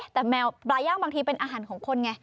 แต่แมวปลาย่างบางทีเป็นอาหารของคนไง